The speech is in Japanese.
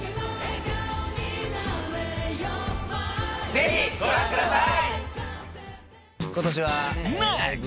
ぜひご覧ください。